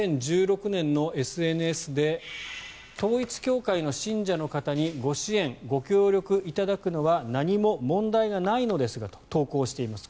２０１６年のＳＮＳで統一教会の信者の方にご支援、ご協力いただくのは何も問題がないのですがと投稿しています。